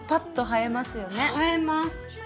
映えます。